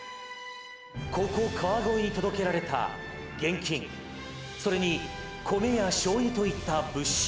ここ川越に届けられた現金、それに米やしょうゆといった物資。